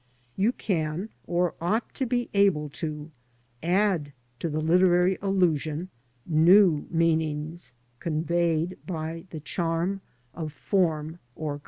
You can, or ought to be able to, add to the literary allusioQ new meanings conveyed by the charm of form and colour.